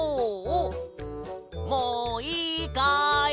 もういいかい？